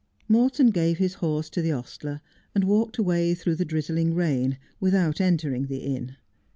Morton gave his horse to the ostler, and walked away through the drizzling rain, without entering the inn.